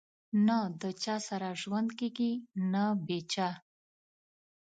نه د چا سره ژوند کېږي نه بې چا